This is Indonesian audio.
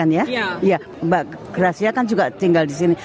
mbak krasia kan juga tinggal di sini